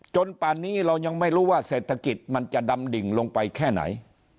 ป่านนี้เรายังไม่รู้ว่าเศรษฐกิจมันจะดำดิ่งลงไปแค่ไหน